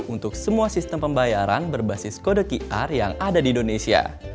untuk semua sistem pembayaran berbasis kode qr yang ada di indonesia